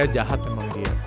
jahat memang dia